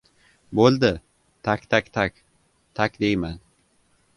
— Bo‘ldi! Tak-tak-tak! Tak deyman!